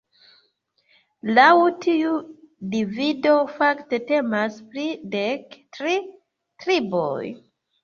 Laŭ tiu divido fakte temas pri dek tri triboj.